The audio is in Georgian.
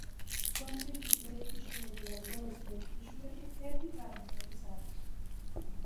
სომხითის მელიქიშვილები და ლორის მელიქიშვილები ერთი წარმოშობის არიან.